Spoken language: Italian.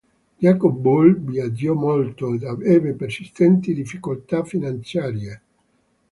Jacob Bull viaggiò molto, ed ebbe persistenti difficoltà finanziarie.